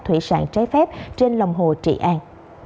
thủy sản trái phép trên lòng hồ trị an